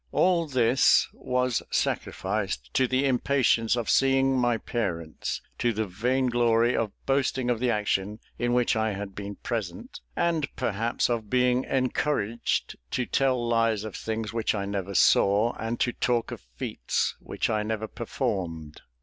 All this was sacrificed to the impatience of seeing my parents; to the vainglory of boasting of the action in which I had been present; and, perhaps, of being encouraged to tell lies of things which I never saw, and to talk of feats which I never performed.